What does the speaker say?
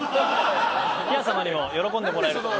ティア様にも喜んでもらえると。